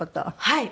はい。